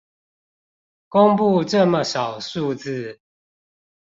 公佈這麼少數字